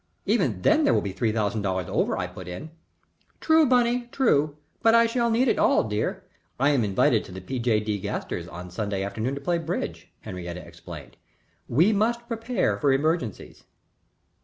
"Even then there will be three thousand dollars over," I put in. "True, Bunny, true. But I shall need it all, dear. I am invited to the P. J. D. Gasters on Sunday afternoon to play bridge," Henriette explained. "We must prepare for emergencies."